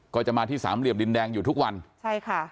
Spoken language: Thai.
ก็จะมาที่สามเหลี่ยมดินแดงอยู่ทุกวันใช่ค่ะ